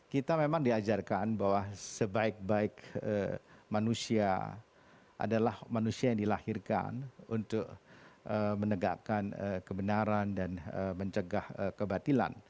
kita memang diajarkan bahwa sebaik baik manusia adalah manusia yang dilahirkan untuk menegakkan kebenaran dan mencegah kebatilan